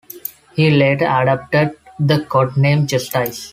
He later adopted the codename Justice.